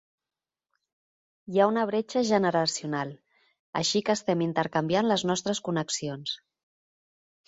Hi ha una bretxa generacional, així que estem intercanviant les nostres connexions.